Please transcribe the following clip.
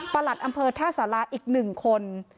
หลัดอำเภอท่าสาราอีก๑คน